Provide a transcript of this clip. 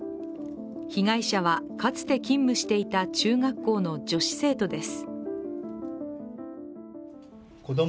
被害者はかつて勤務していた中学校の女子生徒です。